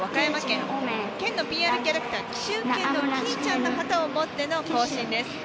県のＰＲキャラクター紀州犬のきいちゃんの旗を持っての行進です。